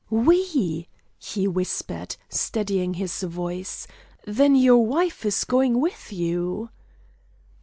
"We?" he whispered, steadying his voice. "Then then your wife is going with you?"